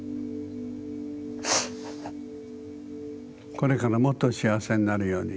これからもっと幸せになるように。